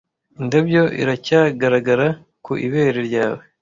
indabyo iracyagaragara ku ibere ryawe